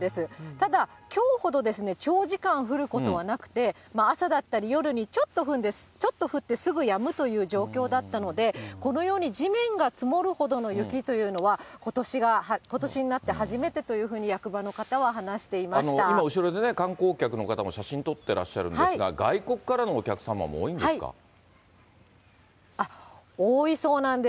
ただ、きょうほどですね、長時間降ることはなくて、朝だったり夜に、ちょっと降るんです、ちょっと降って、すぐやむという状況だったので、このように地面が積もるほどの雪というのは、ことしになって初めてというふうに、今、後ろでね、観光客の方、写真撮ってらっしゃるんですが、外国からのお客様も多いそうなんです。